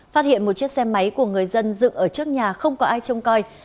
phát hiện một chiếc xe máy của người dân dựng ở trước nhà không có ai trông coi